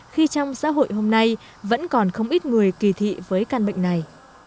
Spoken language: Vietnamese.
khi trong xã hội hôm nay vẫn còn không ít người kỳ thị với căn bệnh này